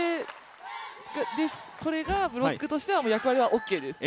これがブロックとしては役割はオッケーです。